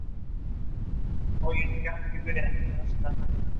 Donde el Campeón Mundial Alekhine dominó el certamen con Keres en el segundo lugar.